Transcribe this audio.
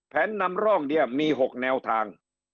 นำร่องเนี่ยมี๖แนวทาง